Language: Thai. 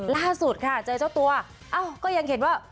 ถ้าสูตรขาดใจเจ้าตัวก็ยังเห็นว่า